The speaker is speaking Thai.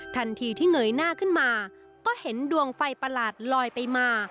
ทันทีที่เงยหน้าขึ้นมาก็เห็นดวงไฟประหลาดลอยไปมา